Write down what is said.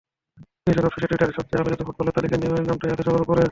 বিশ্বকাপ শেষে টুইটারে সবচেয়ে আলোচিত ফুটবলারদের তালিকায় নেইমারের নামটাই আছে সবার ওপরে।